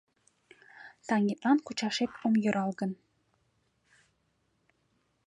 Таҥетлан кучашет ом йӧрал гын